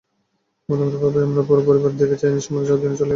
মনে মনে ভাবি, আমরা পুরো পরিবার দেখি চায়নিজ সাম্রাজ্যের অধীনে চলে গেলাম।